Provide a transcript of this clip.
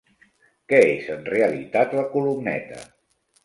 Què és en realitat la columneta?